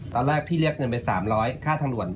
ตอนแรกพี่เรียกเงินไป๓๐๐ค่าทางด่วน